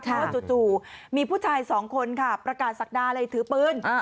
เพราะว่าจู่มีผู้ชายสองคนค่ะประกาศศักดาเลยถือปืน